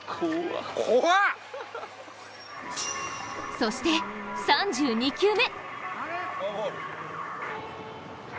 そして３２球目。